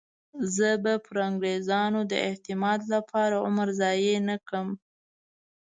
زه به پر انګریزانو د اعتماد لپاره عمر ضایع نه کړم.